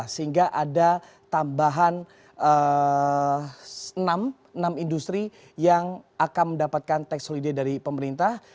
sehingga ada tambahan enam industri yang akan mendapatkan tax holiday dari pemerintah